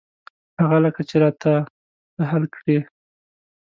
هغه لکه چې را ته ته حل کړې.